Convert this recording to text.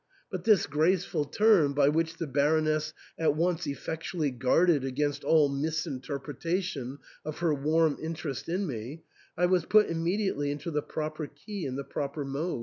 '* But this graceful turn, by which the Baroness at once effectually guarded against all misinterpretation of her warm interest in me, I was put immediately into the proper key and the proper mood.